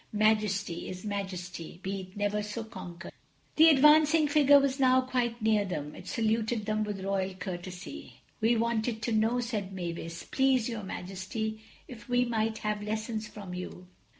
Majesty is Majesty, be it never so conquered." The advancing figure was now quite near them. It saluted them with royal courtesy. "We wanted to know," said Mavis, "please, your Majesty, if we might have lessons from you."